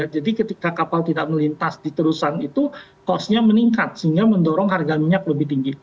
jadi ketika kapal tidak melintas di tursan itu kosnya meningkat sehingga mendorong harga minyak lebih tinggi